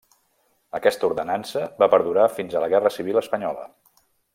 Aquesta ordenança va perdurar fins a la Guerra Civil Espanyola.